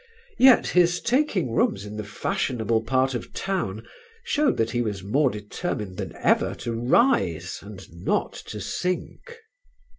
Yet his taking rooms in the fashionable part of town showed that he was more determined than ever to rise and not to sink.